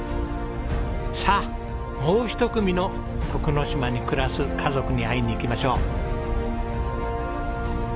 さあもう一組の徳之島に暮らす家族に会いに行きましょう。